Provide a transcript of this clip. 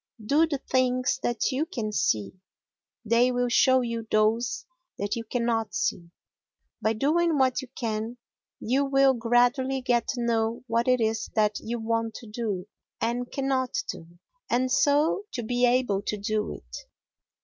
Do the things that you can see; they will show you those that you cannot see. By doing what you can you will gradually get to know what it is that you want to do and cannot do, and so to be able to do it.